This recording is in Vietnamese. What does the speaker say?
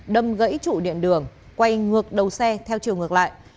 đâm gãy trụ điện đường quay ngược đầu xe theo chiều ngược lại